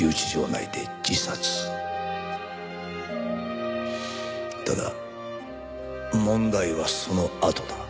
ただ問題はそのあとだ。